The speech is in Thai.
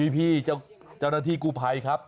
พี่เจ้าหน้าที่กู้ภัยครับ